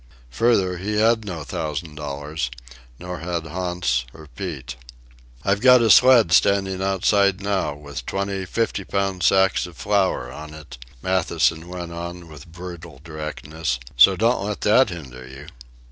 Further, he had no thousand dollars; nor had Hans or Pete. "I've got a sled standing outside now, with twenty fiftypound sacks of flour on it," Matthewson went on with brutal directness; "so don't let that hinder you."